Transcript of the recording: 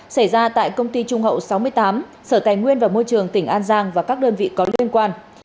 xảy ra tại công ty trung hậu sáu mươi tám sở tài nguyên và môi trường tỉnh an giang và các đơn vị có liên quan